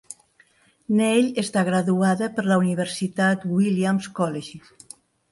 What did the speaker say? Neil està graduada per la Universitat Williams College.